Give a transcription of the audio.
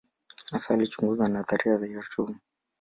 Hasa alichunguza nadharia ya atomu.